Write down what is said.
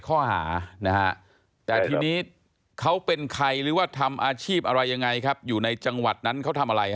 ขอพูดเป็นหนัยยะไม่ชัดเจนหน่อยนะครับ